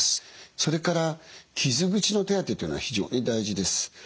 それから傷口の手当てというのは非常に大事です。